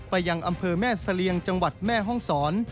ยังอำเภอแม่เสลียงจังหวัดแม่ห้องศร